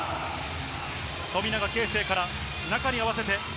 富永啓生から中に合わせて。